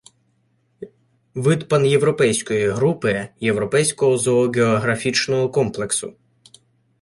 Вид пан’європейської групи, європейського зооґеографічного комплексу.